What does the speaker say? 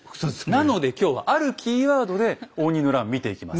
なので今日はあるキーワードで応仁の乱見ていきます。